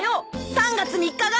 ３月３日が！